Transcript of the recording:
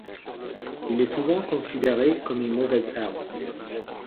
Il est souvent considéré comme une mauvaise herbe.